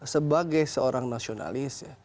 sebagai seorang nasionalis